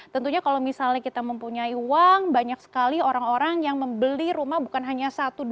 tentunya kalau misalnya kita mempunyai uang banyak sekali orang orang yang membeli rumah bukan hanya satu dua